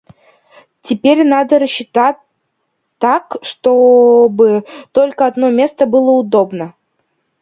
Теперь надо рассчитать так, чтобы только одно место было удобно.